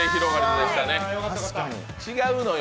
違うのよ。